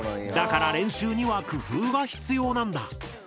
だから練習には工夫が必要なんだ。